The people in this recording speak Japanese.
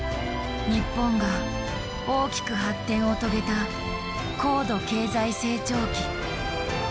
日本が大きく発展を遂げた高度経済成長期。